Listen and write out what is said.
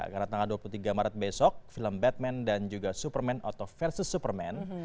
karena tanggal dua puluh tiga maret besok film batman dan juga superman atau versus superman